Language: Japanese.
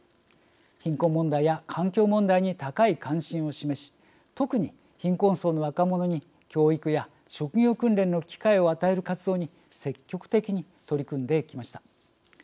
貧困問題や環境問題に高い関心を示し特に貧困層の若者に教育や職業訓練の機会を与える活動に積極的に取り組んできました。